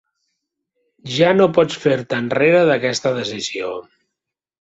Ja no pots fer-te enrere d'aquesta decisió.